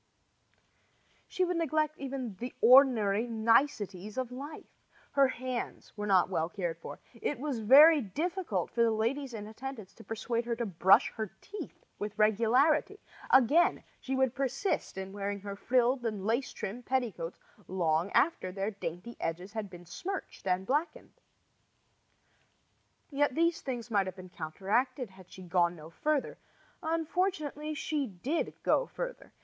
She would even neglect the ordinary niceties of life. Her hands were not well cared for. It was very difficult for the ladies in attendance to persuade her to brush her teeth with regularity. Again, she would persist in wearing her frilled and lace trimmed petticoats long after their dainty edges had been smirched and blackened. Yet these things might have been counteracted had she gone no further. Unfortunately, she did go further.